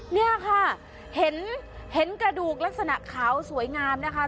นี่ค่ะเห็นกระดูกลักษณะขาวสวยงามนะคะ